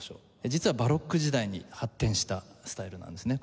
実はバロック時代に発展したスタイルなんですね。